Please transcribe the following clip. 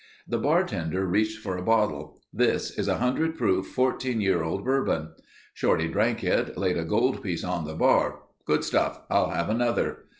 The bartender reached for a bottle. "This is 100 proof 14 year old bourbon." Shorty drank it, laid a goldpiece on the bar. "Good stuff. I'll have another."